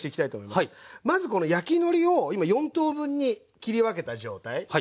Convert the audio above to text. まずこの焼きのりを今４等分に切り分けた状態。